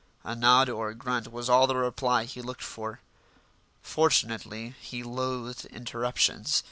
A nod or a grunt was all the reply he looked for. Fortunately, he loathed interruptions.